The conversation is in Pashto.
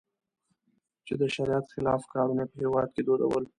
چې د شریعت خلاف کارونه یې په هېواد کې دودول.